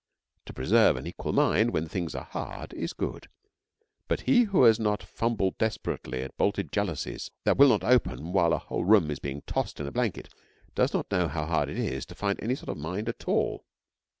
To preserve an equal mind when things are hard is good, but he who has not fumbled desperately at bolted jalousies that will not open while a whole room is being tossed in a blanket does not know how hard it is to find any sort of mind at all.